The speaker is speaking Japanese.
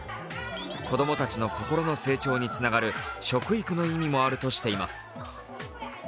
子供たちの心の成長につながる食育の意味もあるとしています。